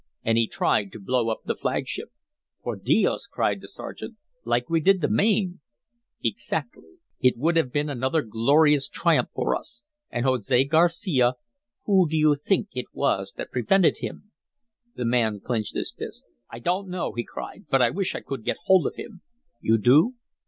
And he tried to blow up the flagship." "Por dios!" cried the sergeant, "like we did the Maine." "Exactly. It would have been another glorious triumph for us. And, Jose Garcia, who do you think it was that prevented him?" The man clinched his fists. "I don't know!" he cried, "but I wish I could get hold of him." "You do?"